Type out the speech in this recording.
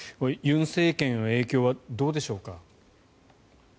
尹政権への影響はどうでしょうか。